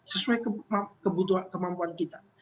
sesuai kebutuhan kemampuan kita